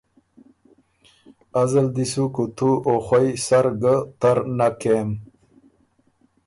ازل دی سو کُوتُو او خؤئ سر ګه تر نک کېم